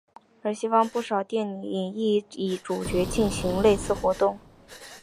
而西方不少电影亦以主角进行类似活动。